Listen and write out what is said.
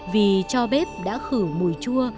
vì cho bếp đã khử mùi chua